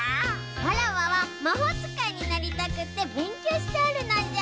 わらわはまほうつかいになりたくてべんきょうしておるのじゃ。